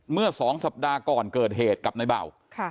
เมื่อ๒สัปดาห์ก่อนเกิดเหตุกับในเบา